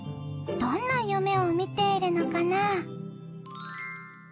どんな夢を見ているのかな？